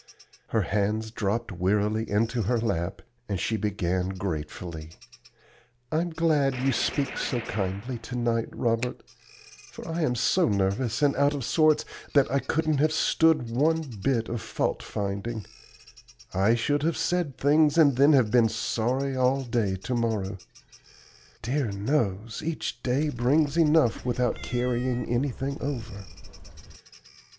Her hands dropped wearily into her lap, and she began gratefully: "I'm glad you speak so kindly to night, Robert, for I am so nervous and out of sorts that I couldn't have stood one bit of fault finding I should have said things, and then have been sorry all day to morrow. Dear knows, each day brings enough without carrying anything over.